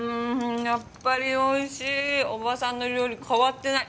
やっぱりおいしいおばさんの料理変わってない